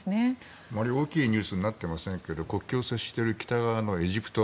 あまり大きいニュースになっていませんが国境を接している北側のエジプト。